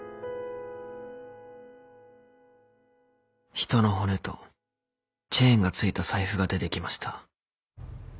人の骨とチェーンがついた財布が出てきました。